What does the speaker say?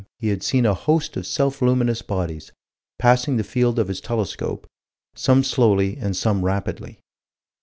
he had seen a host of self luminous bodies, passing the field of his telescope, some slowly and some rapidly.